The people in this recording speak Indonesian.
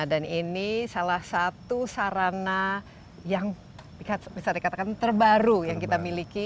dan ini salah satu sarana yang bisa dikatakan terbaru yang kita miliki